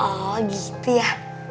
oh gitu ya